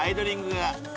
が。